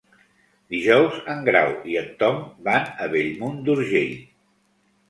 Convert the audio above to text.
Dijous en Grau i en Tom van a Bellmunt d'Urgell.